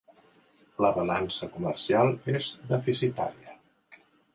La balança comercial és deficitària.